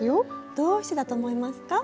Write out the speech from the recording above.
どうしてだと思いますか？